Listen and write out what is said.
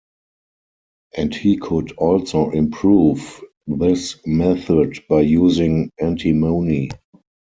And he could also improve this method by using antimony.